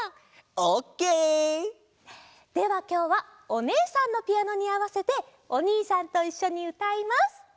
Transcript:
ではきょうはおねえさんのピアノにあわせておにいさんといっしょにうたいます！